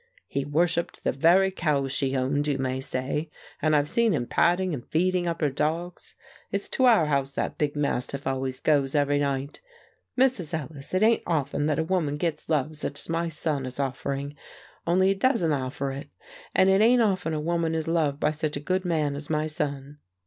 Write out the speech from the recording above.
He worshipped the very cows she owned, you may say, and I've seen him patting and feeding up her dogs; it's to our house that big mastiff always goes every night. Mrs. Ellis, it ain't often that a woman gits love such as my son is offering, only he da'sn't offer it, and it ain't often a woman is loved by such a good man as my son.